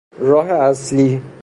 راه اصلی